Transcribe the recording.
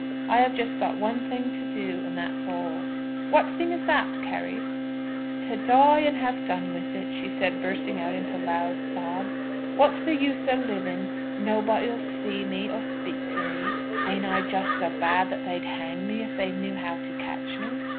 I have just got one thing to do, and that's all." "What thing is that, Carry?" "To die and have done with it," she said, bursting out into loud sobs. "What's the use o' living? Nobody 'll see me, or speak to me. Ain't I just so bad that they'd hang me if they knew how to catch me?"